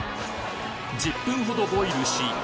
１０分ほどボイルし